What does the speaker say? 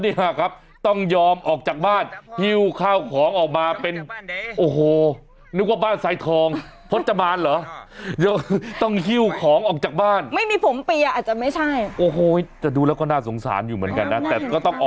ไล่ค่ะและก็ต้องยอมออกจากบ้านหิวข้าวของออกมาเป็นโอ้โหนึกว่าบ้านออกมาใส่ทอง